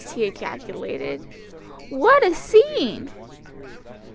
HE EJACULATED, "WHAT A SCENE."